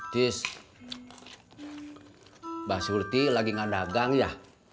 cis mbak syurti lagi gak dagang ya